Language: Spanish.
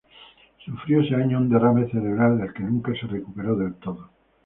Sufrió ese año un derrame cerebral del que nunca se recuperó del todo.